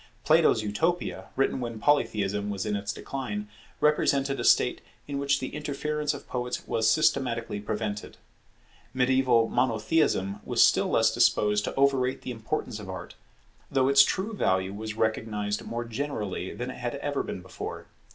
Plato's Utopia, written when Polytheism was in its decline, represented a state in which the interference of poets was systematically prevented. Mediaeval Monotheism was still less disposed to overrate the importance of Art, though its true value was recognized more generally than it had ever been before.